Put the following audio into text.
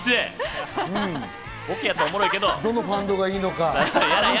どのファンドがいいのか。